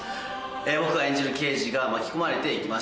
僕が演じる刑事が巻き込まれていきます。